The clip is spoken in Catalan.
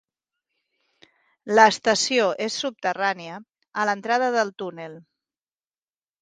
L'estació és subterrània, a l'entrada del túnel.